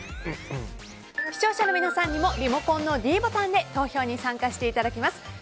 視聴者の皆さんにもリモコンのｄボタンで投票に参加していただきます。